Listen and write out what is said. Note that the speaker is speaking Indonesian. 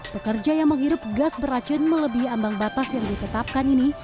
pekerja yang menghirup gas beracun melebih ambang batas yang ditetapkan ini